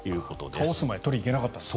倒す前に取りに行けなかったんですね。